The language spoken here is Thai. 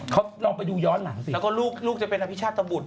เขาลองไปดูย้อนหลังสิแล้วก็ลูกจะเป็นอภิชาตะบุตร